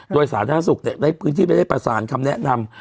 โดยสาธารณสุขได้พื้นที่ไปได้ประสานคำแนะนำ